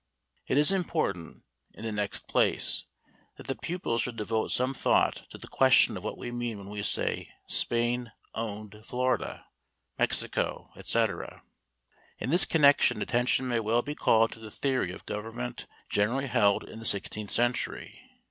It is important, in the next place, that the pupils should devote some thought to the question of what we mean when we say Spain "owned" Florida, Mexico, etc. In this connection attention may well be called to the theory of government generally held in the sixteenth century.